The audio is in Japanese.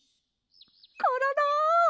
コロロ！